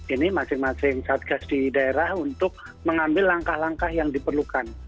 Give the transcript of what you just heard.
ini masing masing satgas di daerah untuk mengambil langkah langkah yang diperlukan